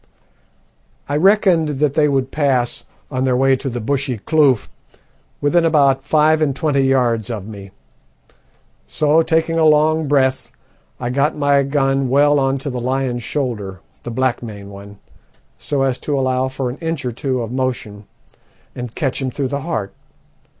"I reckoned that they would pass, on their way to the bushy kloof, within about five and twenty yards of me, so, taking a long breath, I got my gun well on to the lion's shoulder the black maned one so as to allow for an inch or two of motion, and catch him through the heart.